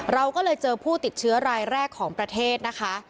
เราก็เลยเจอผู้ติดเชื้อรายแรกของประเทศนะคะ